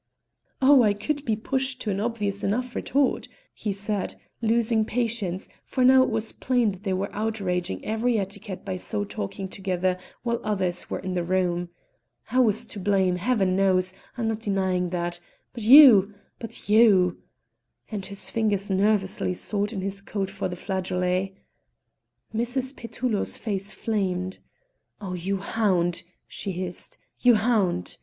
"Oh, I could be pushed to an obvious enough retort," he said, losing patience, for now it was plain that they were outraging every etiquette by so long talking together while others were in the room. "I was to blame, Heaven knows! I'm not denying that, but you but you " And his fingers nervously sought in his coat for the flageolet. Mrs. Petullo's face flamed. "Oh, you hound!" she hissed, "you hound!"